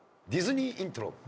ディズニーイントロ。